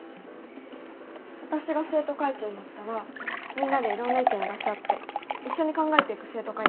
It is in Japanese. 私が生徒会長になったらみんなでいろんな意見を出し合って一緒に考えていく生徒会にしたいんです。